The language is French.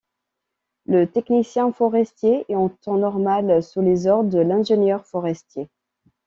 Le technicien forestier est en temps normal sous les ordres de l'ingénieur forestier.